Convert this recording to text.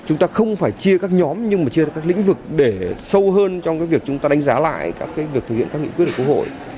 chúng ta không phải chia các nhóm nhưng mà chia ra các lĩnh vực để sâu hơn trong cái việc chúng ta đánh giá lại các việc thực hiện các nghị quyết của quốc hội